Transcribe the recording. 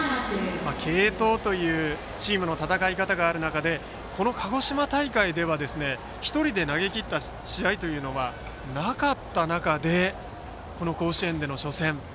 継投というチームの戦い方がある中で鹿児島大会では１人で投げきった試合はなかった中でこの甲子園での初戦。